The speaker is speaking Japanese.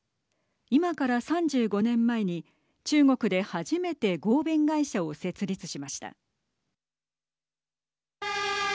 今から３５年前に中国で初めて合弁会社を設立しました。